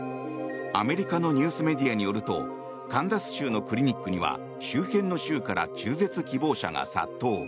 アメリカのニュースメディアによるとカンザス州のクリニックには周辺の州から中絶希望者が殺到。